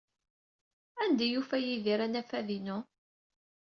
Anda ay yufa Yidir anafad-inu?